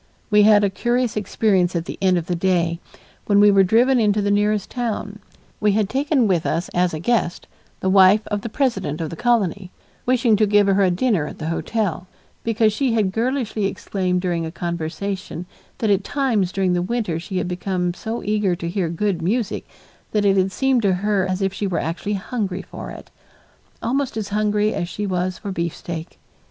We had a curious experience at the end of the day, when we were driven into the nearest town. We had taken with us as a guest the wife of the president of the colony, wishing to give her a dinner at the hotel, because she had girlishly exclaimed during a conversation that at times during the winter she had become so eager to hear good music that it had seemed to her as if she were actually hungry for it, almost as hungry as she was for a beefsteak.